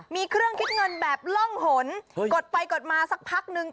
มีเครื่องคิดเงินแบบล่องหนกดไปกดมาสักพักนึง